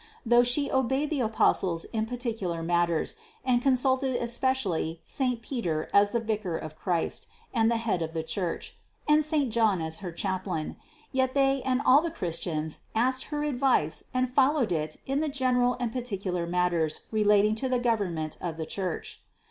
Though She obeyed the Apostles in particular matters, and consulted especially saint Peter as the vicar of Christ and the head of the Church, and saint John as her chaplain, yet they and all the Christians asked her advice and followed it in the general and particular matters relating to the govern ment of the Church.